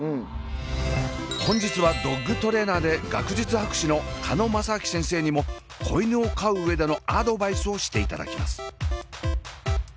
本日はドッグトレーナーで学術博士の鹿野正顕先生にも子犬を飼う上でのアドバイスをしていただきます。